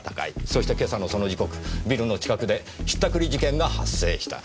そして今朝のその時刻ビルの近くで引ったくり事件が発生した。